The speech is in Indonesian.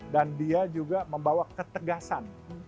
dan dia juga membawa ketegasan